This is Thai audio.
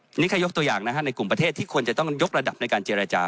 อันนี้แค่ยกตัวอย่างในกลุ่มประเทศที่ควรจะต้องยกระดับในการเจรจา